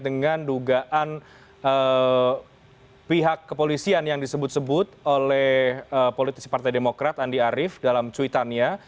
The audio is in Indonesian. dengan dugaan pihak kepolisian yang disebut sebut oleh politisi partai demokrat andi arief dalam cuitannya